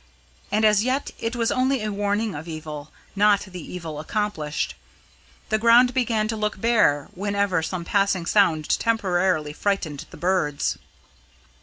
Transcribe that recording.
And as yet it was only a warning of evil, not the evil accomplished; the ground began to look bare whenever some passing sound temporarily frightened the birds.